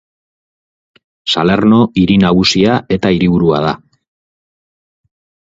Salerno hiri nagusia eta hiriburua da.